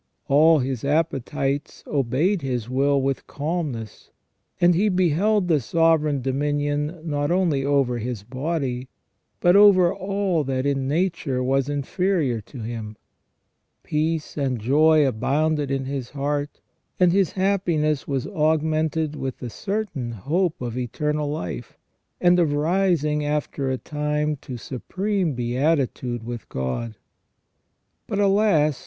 All his appetites obeyed his will with calmness, and he held the sovereign dominion not only over his body, but over all that in Nature was inferior to himself. Peace and joy abounded in his heart, and his happiness was augmented with the certain hope of eternal life, and of rising after a time to supreme beatitude with THE RESTORATION OF MAN. 313 God. But, alas